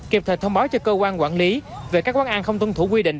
kịp thời thông báo cho cơ quan quản lý về các quán ăn không tuân thủ quy định